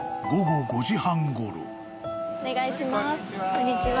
こんにちは。